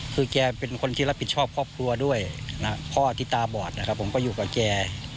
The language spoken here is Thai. คือแกเป็นคนที่รับผิดชอบครอบครัวด้วยนะพ่อที่ตาบอดนะครับผมก็อยู่กับแก